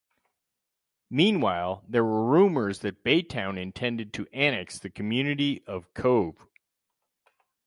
Meanwhile, there were rumors that Baytown intended to annex the community of Cove.